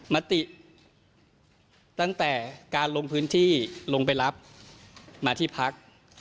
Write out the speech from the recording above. มติตั้งแต่การลงพื้นที่ลงไปรับมาที่พัก